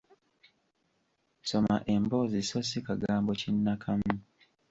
Soma mboozi so ssi kagambo kinnakamu.